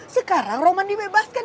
sekarang roman dibebaskan